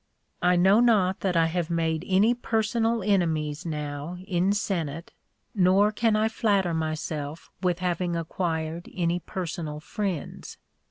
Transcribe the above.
I know not that I have made any personal enemies now in Senate, nor can I flatter myself with having acquired any personal friends.